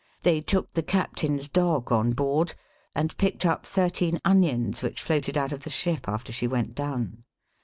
They took the cap tain's dog on board, and picked up thirteen onions which floated out of the ship, after she went down.